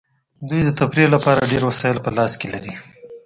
دوی د تفریح لپاره ډیر وسایل په لاس کې لري